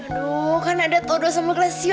aduh kan ada toto sama klasio